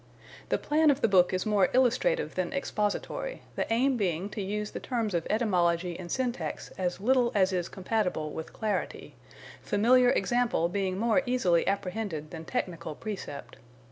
The plan of the book is more illustrative than expository, the aim being to use the terms of etymology and syntax as little as is compatible with clarity, familiar example being more easily apprehended than technical precept.